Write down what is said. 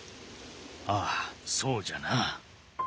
ああそうじゃな。